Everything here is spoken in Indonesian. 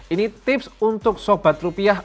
ini tips untuk sobat rupiah